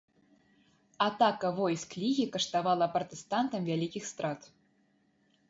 Атака войск лігі каштавала пратэстантам вялікіх страт.